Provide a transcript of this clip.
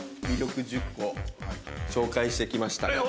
魅力１０個を紹介してきました。